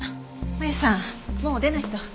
真由さんもう出ないと。